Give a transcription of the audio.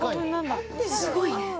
すごいね。